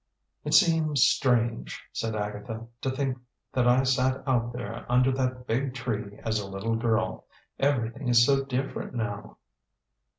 "It seems strange," said Agatha, "to think that I sat out there under that big tree as a little girl. Everything is so different now."